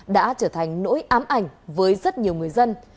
đã trở thành nỗi ám ảnh với rất nhiều người dân